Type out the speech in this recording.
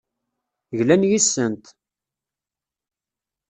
Glan yes-sent.